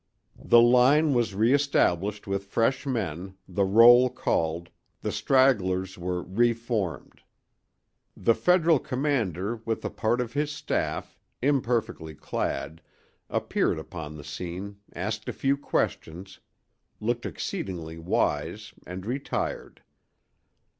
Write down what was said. The line was reëstablished with fresh men, the roll called, the stragglers were reformed. The Federal commander with a part of his staff, imperfectly clad, appeared upon the scene, asked a few questions, looked exceedingly wise and retired.